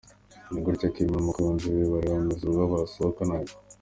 Ni gutya Kim n'umukunzi we Kanye bari bameze ubwo basohokanaga.